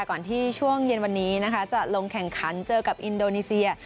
ก่อนที่ช่วงเย็นวันนี้นะคะจะลงแข่งขันเจอกับอินโดนีเซีย